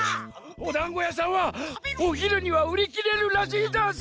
おだんごやさんはおひるにはうりきれるらしいざんす！